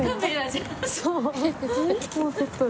そう。